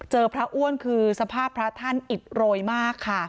พระอ้วนคือสภาพพระท่านอิดโรยมากค่ะ